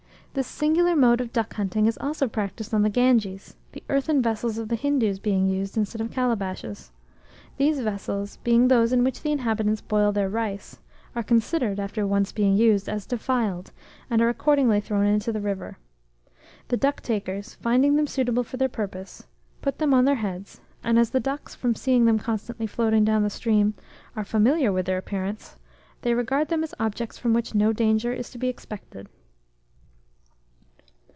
This singular mode of duck hunting is also practised on the Ganges, the earthen vessels of the Hindoos being used instead of calabashes. These vessels, being those in which the inhabitants boil their rice, are considered, after once being used, as defiled, and are accordingly thrown into the river. The duck takers, finding them suitable for their purpose, put them on their heads; and as the ducks, from seeing them constantly floating down the stream, are familiar with their appearance, they regard them as objects from which no danger is to be expected.